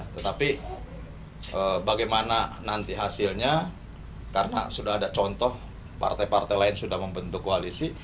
tetapi bagaimana nanti hasilnya karena sudah ada contoh partai partai lain sudah membentuk koalisi